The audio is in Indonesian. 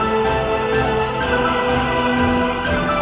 ini gue harus gimana